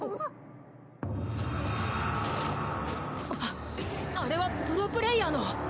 あっあれはプロプレイヤーの。